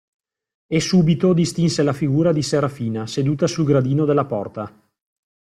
E subito distinse la figura di Serafina seduta sul gradino della porta.